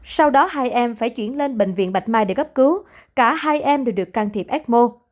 sau đó hai em phải chuyển lên bệnh viện bạch mai để cấp cứu cả hai em đều được can thiệp ecmo